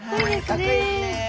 かっこいいですね。